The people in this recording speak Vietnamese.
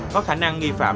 có khả năng nghi phạm